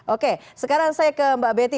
oke sekarang saya ke mbak betty